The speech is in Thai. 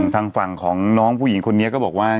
ทางฝั่งของน้องผู้หญิงคนนี้ก็บอกว่า